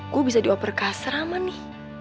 gua bisa dioper kaserama nih